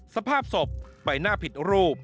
สภาพศพใบหน้าผิดรูป